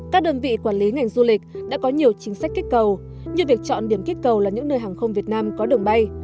các đơn vị quản lý ngành du lịch đã có nhiều chính sách kích cầu như việc chọn điểm kích cầu là những nơi hàng không việt nam có đường bay